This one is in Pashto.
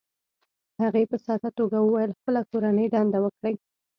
هغې په ساده توګه وویل: "خپله کورنۍ دنده وکړئ،